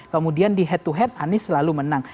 kemudian di head to head anies selalu menang